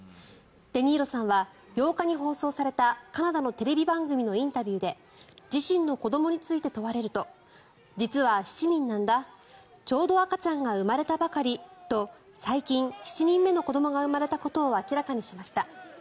デ・ニーロさんは８日に放送されたカナダのテレビ番組のインタビューで自身の子どもについて問われると実は７人なんだちょうど赤ちゃんが生まれたばかりと最近７人目の子どもが生まれたことを明らかにしました。